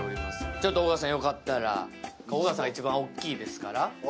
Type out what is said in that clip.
ちょっと尾形さんよかったら尾形さん、一番大きいですから。